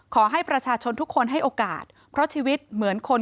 ขอให้ประชาชนทุกคนให้โอกาสเพราะชีวิตเหมือนคน